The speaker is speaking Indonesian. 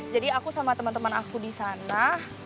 jadi aku sama temen temen aku di sana